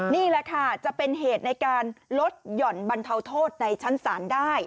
นี่แหละค่ะจะเป็นเหตุในการลดหย่อนบรรเทาโทษในชั้นศาลได้